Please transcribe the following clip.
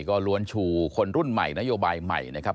ก็ล้วนชูคนรุ่นใหม่นโยบายใหม่นะครับ